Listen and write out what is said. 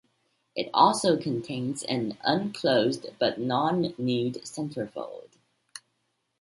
It also contains an unclothed but non-nude centerfold.